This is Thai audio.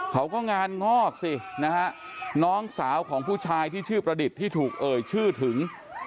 เขาก็งานงอกสินะฮะน้องสาวของผู้ชายที่ชื่อประดิษฐ์ที่ถูกเอ่ยชื่อถึง